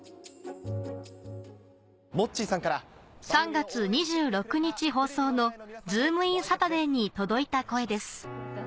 ３月２６日放送の『ズームイン‼サタデー』に届いた声です